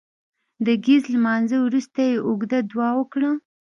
د ګهیځ لمانځه وروسته يې اوږده دعا وکړه